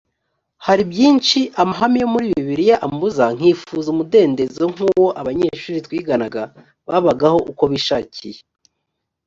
hari byinshi amahame yo muri bibiliya ambuza nkifuza umudendezo nk uw abanyeshuri twiganaga babagaho uko bishakiye